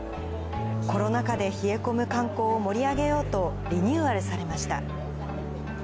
コロナ禍で冷え込む観光を盛り上げようと、リニューアルされました。